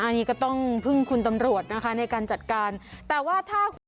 อันนี้ก็ต้องพึ่งคุณตำรวจนะคะในการจัดการแต่ว่าถ้าคุณ